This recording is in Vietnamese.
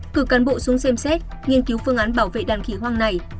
cử cán bộ xuống xem xét nghiên cứu phương án bảo vệ đàn khỉ hoang này